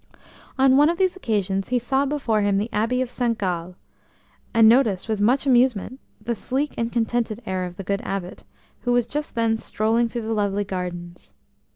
On one of these occasions he saw before him the Abbey of St Gall, and noticed with much amusement the sleek and contented air of the good Abbot, who was just then strolling through the lovely gardens.